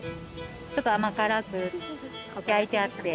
ちょっと甘辛く焼いてあって。